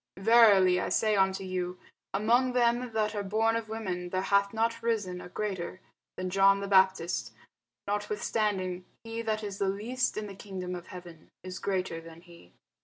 Verily I say unto you, Among them that are born of women there hath not risen a greater than John the Baptist: notwithstanding he that is least in the kingdom of heaven is greater than he.